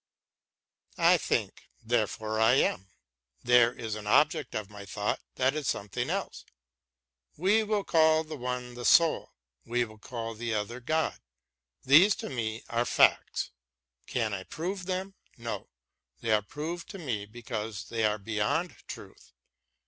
I think therefore I am I : there is an object of my thought that is something else. We will call the one the soul, we will call the other God. These to me are facts. Can I prove them ? No ; they are proved to me because they are beyond truth.